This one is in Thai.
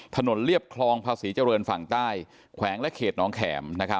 เรียบคลองภาษีเจริญฝั่งใต้แขวงและเขตน้องแข็ม